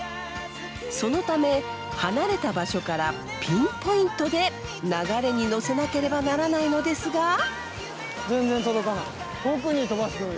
そのため離れた場所からピンポイントで流れに乗せなければならないのですが。